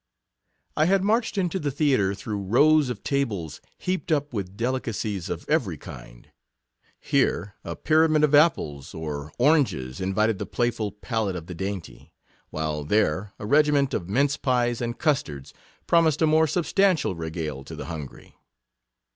I had marched into the Theatre through rows of tables heaped up with delicacies of every kind — here, a pyramid of apples or oranges, invited the playful palate of the dainty ; while there, a regiment of mince pies and custards, promised a more substan tial regale to the hungry.